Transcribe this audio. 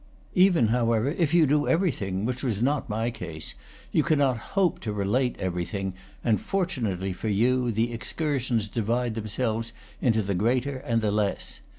Even, however, if you do everything, which was not my case, you cannot hope to relate everything, and, fortunately for you, the excursions divide them selves into the greater and the less.